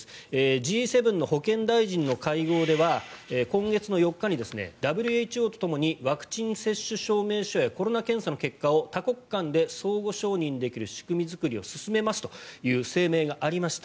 Ｇ７の保健大臣の会合では今月４日にＷＨＯとともにワクチン接種証明書やコロナ検査の結果を多国間で相互承認できる仕組み作りを進めますという声明がありました。